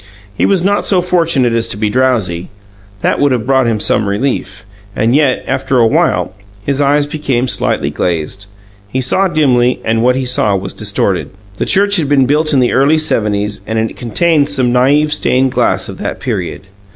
He was not so fortunate as to be drowsy; that would have brought him some relief and yet, after a while, his eyes became slightly glazed; he saw dimly, and what he saw was distorted. The church had been built in the early 'Seventies, and it contained some naive stained glass of that period.